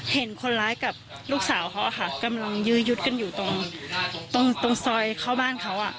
เห็นคนร้ายกับลูกสาวเขากำลังยื้อยุดกันอยู่ตรงซอยเข้าบ้านเขา